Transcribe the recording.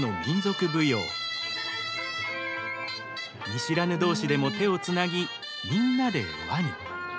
見知らぬ同士でも手をつなぎみんなで輪に。